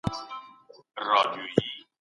ميرويس خان نيکه ته چا روزنه ورکړه؟